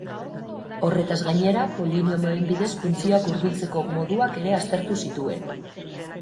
Horretaz gainera, polinomioen bidez funtzioak hurbiltzeko moduak ere aztertu zituen.